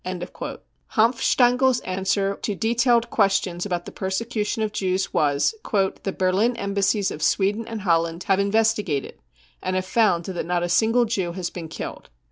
53 HanfstaengPs answer to detailed questions about the persecution of Jews was :" The Berlin Embassies of Sweden and Holland have in vestigated and have found that not a single Jew has been killed.